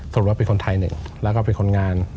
สรุปว่าเป็นคนไทยหนึ่งแล้วก็เป็นคนงาน